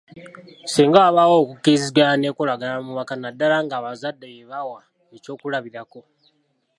Singa wabaawo okukkiriziganya n'enkolagana mu maka naddala ng'abazadde be bawa ekyokulabirako.